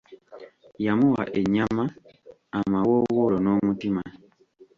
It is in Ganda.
Yamuwa ennyama, amawoowolo n’omutima.